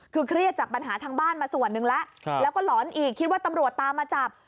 คือเครียดจากปัญหาทางบ้านมาส่วนหนึ่งแล้วแล้วก็หลอนอีกคิดว่าตำรวจตามมาจับ